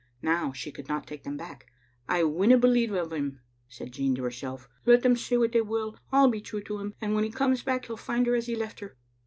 Now she could not take them back. *^ I winna believe it o' him," said Jean to herself. " Let them say what they will, I'll be true to him ; and when he comes back he'll find her as he left her."